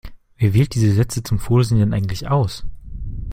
Wer wählt diese Sätze zum Vorlesen denn eigentlich aus?